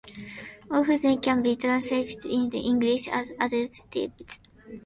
Often they can be translated into English as adjectives.